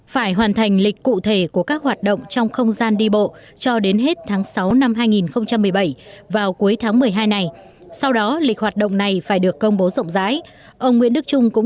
phải hoàn thành lịch cụ